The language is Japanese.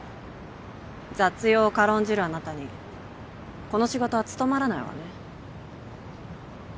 雑用を軽んじるあなたにこの仕事は務まらないわね